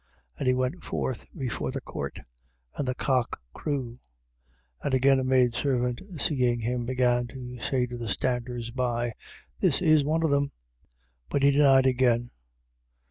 And he went forth before the court; and the cock crew. 14:69. And again a maidservant seeing him, began to say to the standers by: This is one of them. 14:70. But he denied again.